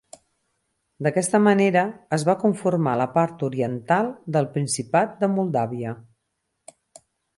D'aquesta manera es va conformar la part oriental del principat de Moldàvia.